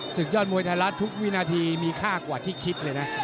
ศึกยอดมวยไทยรัฐทุกวินาทีมีค่ากว่าที่คิดเลยนะ